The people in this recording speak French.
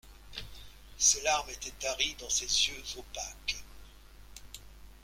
Ses larmes étaient taries dans ses yeux opaques.